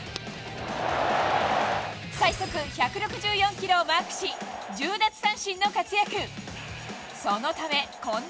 最速１６４キロをマークし、１０奪三振の活躍。